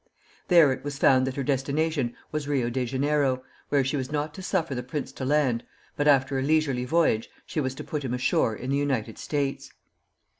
There it was found that her destination was Rio Janeiro, where she was not to suffer the prince to land, but after a leisurely voyage she was to put him ashore in the United States.